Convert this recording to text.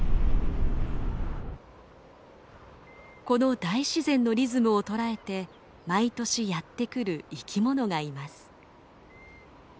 この大自然のリズムを捉えて毎年やって来る生き物がいます。